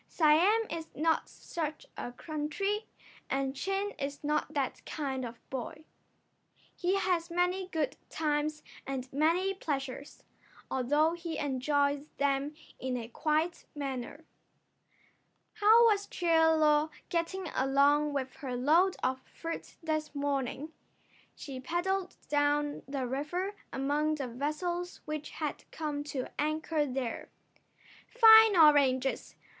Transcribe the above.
Siam is not such a country, and Chin is not that kind of a boy. He has many good times and many pleasures, although he enjoys them in a quiet manner. How was Chie Lo getting along with her load of fruit this morning? She paddled down the river among the vessels which had come to anchor there. "Fine oranges!